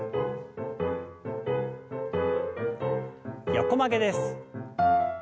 横曲げです。